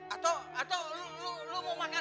atau atau lo mau makan ya